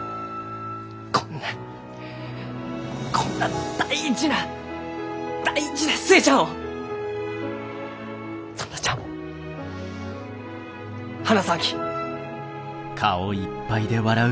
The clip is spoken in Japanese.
こんなこんな大事な大事な寿恵ちゃんを園ちゃんも離さんき。